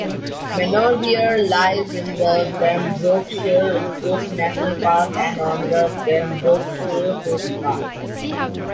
Manorbier lies in the Pembrokeshire Coast National Park and on the Pembrokeshire Coast Path.